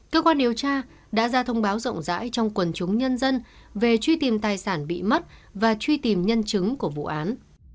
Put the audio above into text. cơ quan điều tra đã ra thông báo rộng rãi trong quần chúng nhân dân về truy tìm tài sản bị mất và truy tìm nhân chứng của vụ án